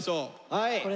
はい。